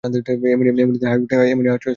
এমনি হাই উঠছে শ্রান্তিতে।